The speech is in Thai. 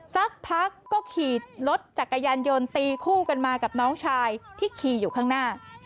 สักพักก็ขี่รถจักรยานยนต์ตีคู่กันมากับน้องชายที่ขี่อยู่ข้างหน้า